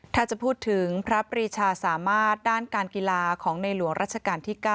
ถ้าจะพูดถึงพระปรีชาสามารถด้านการกีฬาของในหลวงรัชกาลที่๙